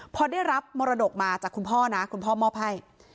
พอได้รับมรดกมาจากคุณพ่อนะคุณพ่อมอบให้